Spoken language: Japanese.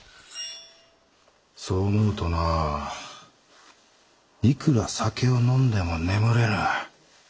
そう思うとないくら酒を飲んでも眠れぬ。